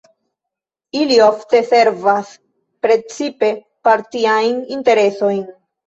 Ili ofte servas precipe partiajn interesojn.